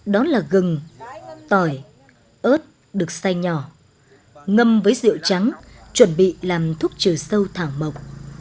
đó là gừng tỏi ớt được xay nhỏ ngâm với rượu trắng chuẩn bị làm thuốc trừ sâu thảo mộc